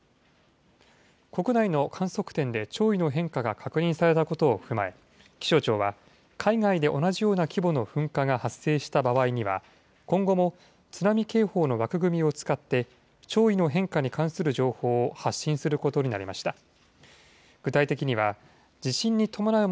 国内の観測点で潮位の変化が確認されたことを踏まえ、気象庁は、海外で同じような規模の噴火が発生した場合には、今後も津波警報の枠組みを使って、潮位の変化に関する情報を発信することになりました。